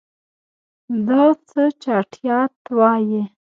دا څه چټیات وایې.